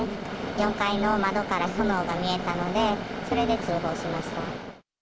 ４階の窓から炎が見えたので、それで通報しました。